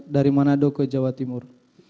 dari manado ke jawa timur